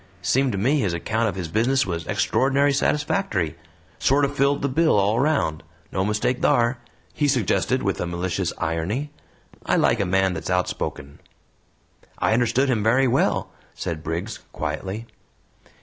"Seemed to me his account of his business was extraordinary satisfactory! Sorter filled the bill all round no mistake thar," he suggested, with a malicious irony. "I like a man that's outspoken." "I understood him very well," said Briggs, quietly.